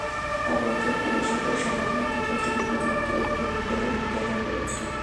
শিক্ষা বলতে একটি বেসরকারি সংগঠনের তৃতীয় শ্রেণি পর্যন্ত একটি বিদ্যালয় রয়েছে।